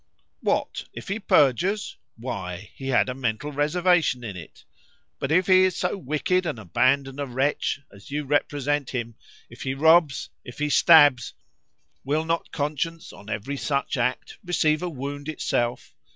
What;—if he perjures?—Why;—he had a mental reservation in it.—But if he is so wicked and abandoned a wretch as you represent him;—if he robs,—if he stabs, will not conscience, "on every such act, receive a wound itself?